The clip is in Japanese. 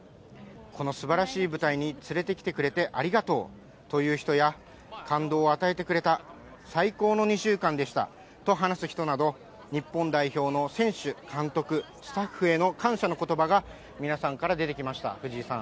このすばらしい舞台に連れてきてくれてありがとうという人や、感動を与えてくれた、最高の２週間でしたと話す人など、日本代表の選手、監督、スタッフへの感謝のことばが皆さんから出てきました。